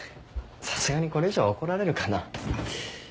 さすがにこれ以上は怒られるかな。